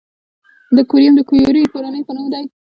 د کوریوم د کیوري کورنۍ په نوم دی.